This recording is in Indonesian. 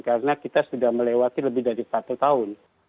karena kita sudah melewati lebih dari satu tahun